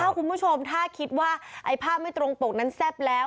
คุณผู้ชมถ้าคิดว่าไอ้ภาพไม่ตรงปกนั้นแซ่บแล้ว